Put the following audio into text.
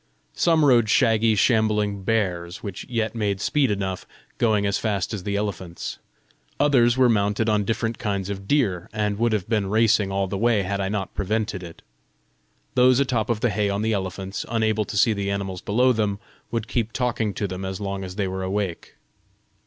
Some rode shaggy, shambling bears, which yet made speed enough, going as fast as the elephants. Others were mounted on different kinds of deer, and would have been racing all the way had I not prevented it. Those atop of the hay on the elephants, unable to see the animals below them, would keep talking to them as long as they were awake.